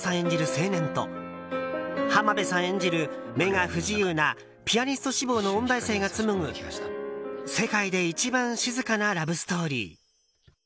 青年と浜辺さん演じる目が不自由なピアニスト志望の音大生が紡ぐ世界で一番静かなラブストーリー。